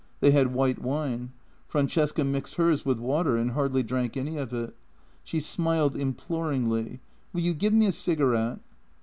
They had white wine. Francesca mixed hers with water, and hardly drank any of it. She smiled imploringly: "Will you give me a cigarette?"